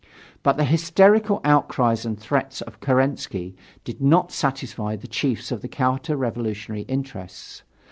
But the hysterical outcries and threats of Kerensky did not satisfy the chiefs of the counter revolutionary interests.